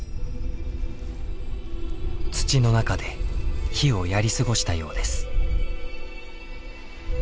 土の中で火をやり過ごしたようです。